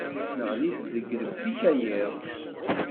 Neɣli deg yirrebi-k a yiḍ.